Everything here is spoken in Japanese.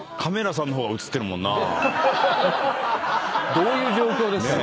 どういう状況ですかね。